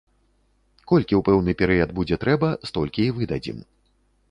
Колькі ў пэўны перыяд будзе трэба, столькі і выдадзім.